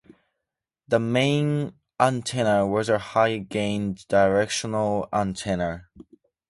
The main antenna was a high-gain directional antenna.